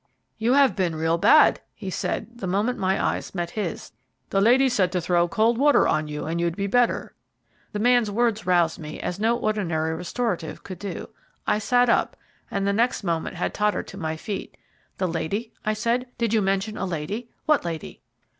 "You have been real bad," he said, the moment my eyes met his. "The lady said to throw cold water on you and you'd be better." The man's words roused me as no ordinary restorative could do. I sat up, and the next moment had tottered to my feet. "The lady?" I said. "Did you mention a lady? What lady?"